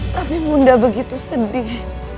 tapi mudah begitu sedih